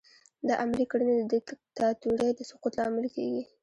دا عملي کړنې د دیکتاتورۍ د سقوط لامل کیږي.